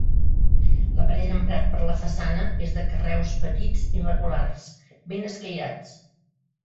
L'aparell emprat per la façana és de carreus petits i regulars, ben escairats.